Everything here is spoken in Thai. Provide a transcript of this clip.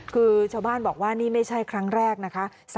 คือชาวบ้านบอกว่านี่ไม่ใช่ครั้งแรกนะคะ